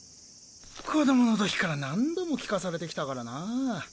子供の時から何度も聞かされてきたからなァ。